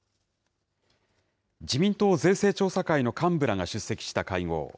自民党税制調査会の幹部らが出席した会合。